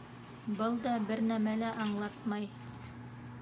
Был да бер нәмә лә аңлатмай.